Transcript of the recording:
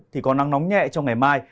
thì có nắng nóng nhẹ trong ngày mai